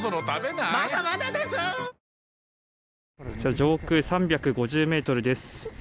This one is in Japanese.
上空３５０ｍです。